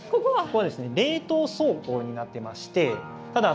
ここは冷凍倉庫になってましてただえ？